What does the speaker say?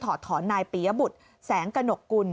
ถอดถอนนายปียบุทแสงกระหนกกลุ่น